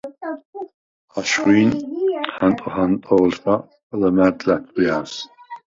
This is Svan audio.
აშხვჟი̄ნ ჰანტო ჰანტო̄ლშა ლჷმა̈რდ ლა̈თხვიარს.